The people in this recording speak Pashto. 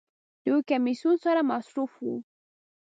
د یو کمیسون سره مصروف و.